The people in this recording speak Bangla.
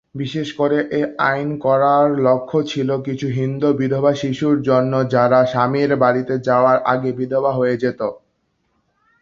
বিশেষ করে এই আইন করার লক্ষ্য ছিল কিছু হিন্দু বিধবা শিশুর জন্য, যার স্বামী বাড়িতে যাবার আগে বিধবা হয়ে যেতো।